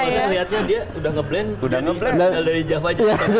mas faris aja ngelihatnya dia udah ngeblend jadi anggota java jive